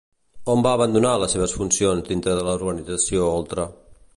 On va abandonar les seves funcions dintre de l'organització Oltra?